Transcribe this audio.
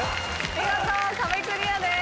見事壁クリアです